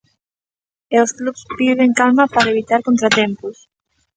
E os clubs piden calma para evitar contratempos.